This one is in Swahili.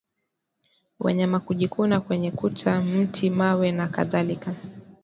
Wanyama kujikuna kwenye kuta miti mawe na kadhalika